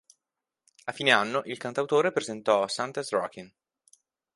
A fine anno, il cantautore presentò "Santa's Rockin'!